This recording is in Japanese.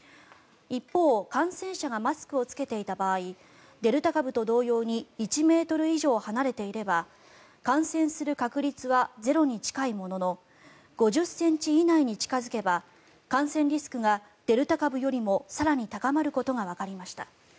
一方、感染者がマスクを着けていた場合デルタ株と同様に１ｍ以上離れていれば感染する確率はゼロに近いものの５０ｃｍ以内に近付けば感染リスクがデルタ株よりも更に高まることがわかりました。